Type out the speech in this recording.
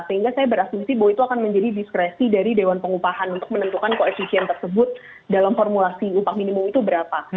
sehingga saya berasumsi bahwa itu akan menjadi diskresi dari dewan pengupahan untuk menentukan koefisien tersebut dalam formulasi upah minimum itu berapa